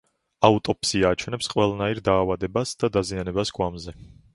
აუტოპსია აჩვენებს ყველანაირ დაავადებას და დაზიანებას გვამზე.